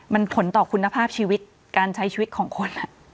มันผลต่อคุณภาพชีวิตการใช้ชีวิตของคน